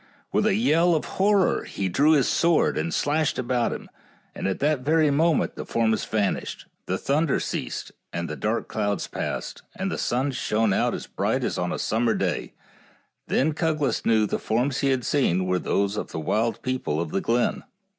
With a yell of horror he drew his sword and slashed about him, and that very moment the forms vanished, the thunder ceased, the dark cloud passed, and the sun shone out as bright as on a summer day, and then Cuglas knew the forms he had seen were those of the wild people of the glen.